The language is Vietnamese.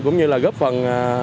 cũng như là góp phần